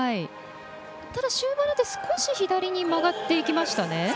ただ終盤になって少し左に曲がっていきましたね。